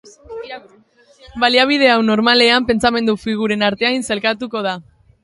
Baliabide hau normalean pentsamendu figuren artean sailkatu da.